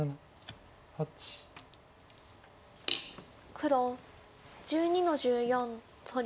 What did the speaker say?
黒１２の十四取り。